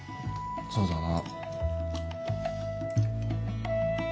そうだな。